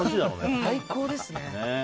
最高ですね。